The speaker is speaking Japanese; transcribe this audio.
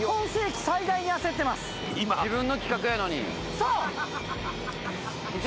そう！